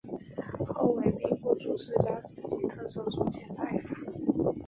后为兵部主事加四级特授中宪大夫。